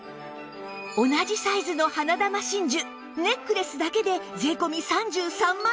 同じサイズの花珠真珠ネックレスだけで税込３３万円でしたが